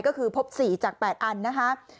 ก็คือพบ๔จาก๘อันนะคะ